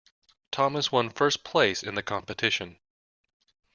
Thomas one first place in the competition.